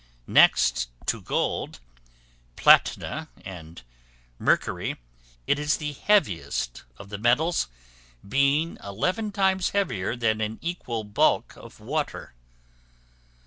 Next to gold, platina, and mercury, it is the heaviest of the metals, being eleven times heavier than an equal bulk of water.